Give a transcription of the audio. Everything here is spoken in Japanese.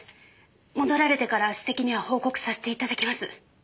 戻られてから首席には報告させて頂きます。